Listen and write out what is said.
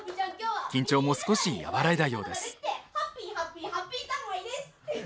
緊張も少し和らいだようです。